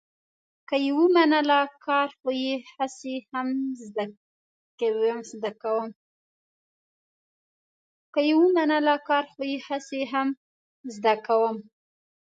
که یې ومنله، کار خو یې هسې هم زه کوم.